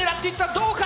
どうか！